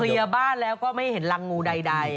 บ้านแล้วก็ไม่เห็นรังงูใด